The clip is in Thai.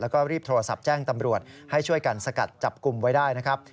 แล้วก็รีบโทรศัพท์แจ้งตำรวจให้ช่วยกันสกัดจับกลุ่มไว้ได้นะครับ